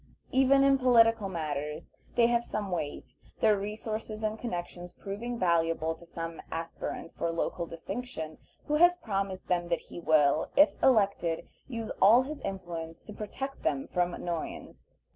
Even in political matters they have some weight, their resources and connections proving valuable to some aspirant for local distinction who has promised them that he will, if elected, use all his influence to protect them from annoyance.